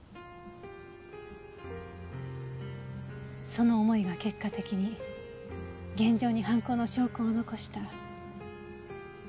その思いが結果的に現場に犯行の証拠を残した。